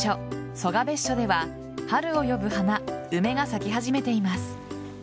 蘇我別所では春を呼ぶ花梅が咲き始めています。